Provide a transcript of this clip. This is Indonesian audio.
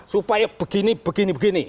supaya begini begini begini